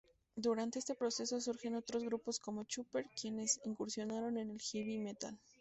Durante este proceso surge otros grupos como, Chopper, quienes incursionaron en el heavy metal.